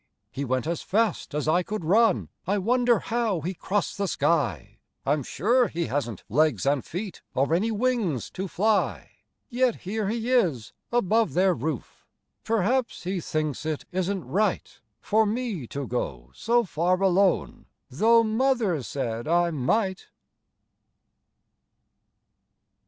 He went as fast as I could run; I wonder how he crossed the sky? I'm sure he hasn't legs and feet Or any wings to fly. Yet here he is above their roof; Perhaps he thinks it isn't right For me to go so far alone, Tho' mother said I might.